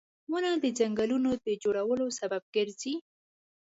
• ونه د ځنګلونو د جوړولو سبب ګرځي